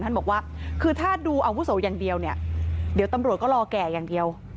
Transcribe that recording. ท่านบอกว่าคือถ้าดูอาวุโสอย่างเดียวเนี่ยเดี๋ยวตำรวจก็รอแก่อย่างเดียว